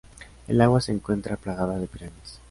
El agua se encuentra plagada de pirañas.